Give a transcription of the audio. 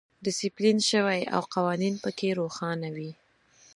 ډیسپلین شوی او قوانین پکې روښانه وي.